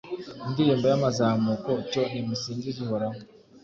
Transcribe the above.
indirimbo y'amazamuko. cyo nimusingize uhoraho